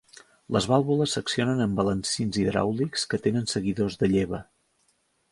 Les vàlvules s'accionen amb balancins hidràulics que tenen seguidors de lleva.